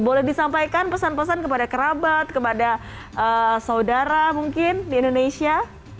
boleh disampaikan pesan pesan kepada kerabat kepada saudara mungkin di indonesia